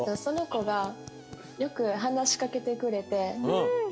その子がよく話しかけてくれて。